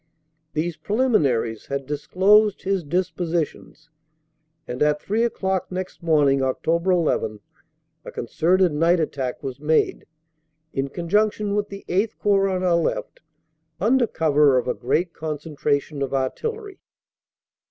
These preliminaries had disclosed his dispositions, and at three o clock next morning, Oct. 11, a concerted night attack was made, in conjunction with the VIII Corps on our left, under cover of a great concentration of artillery.